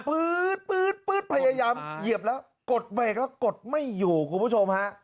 ปื๊ดปื๊ดปื๊ดพยายามเหยียบแล้วกดไปแล้วก็กดไม่อยู่คุณผู้ชมฮะ